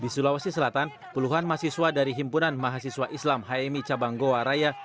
di sulawesi selatan puluhan mahasiswa dari himpunan mahasiswa islam hmi cabang goa raya